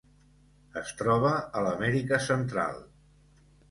Es troba a l'Amèrica Central: